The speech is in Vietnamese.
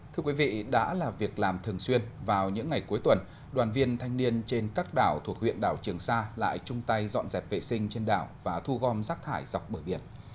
thưa quý vị đã là việc làm thường xuyên vào những ngày cuối tuần đoàn viên thanh niên trên các đảo thuộc huyện đảo trường sa lại chung tay dọn dẹp vệ sinh trên đảo và thu gom rác thải dọc bờ biển